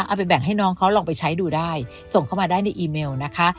เอาไปแบ่งให้น้องเขาลองไปใช้ดูได้ส่งเข้ามาได้ในอีเมลนะคะ